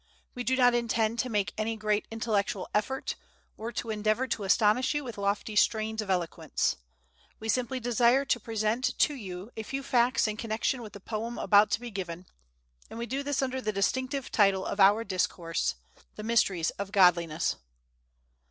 We do not intend to make any great intellectual effort, or to endeavor to astonish you with lofty strains of eloquence. We simply desire to present to you a few facts in connection with the poem about to be given, and we do this under the distinctive title of our discourse, THE MYSTERIES OF GODLINESS.